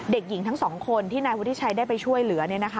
เด็กหญิงทั้งสองคนที่นายวุฒิชัยได้ไปช่วยเหลือ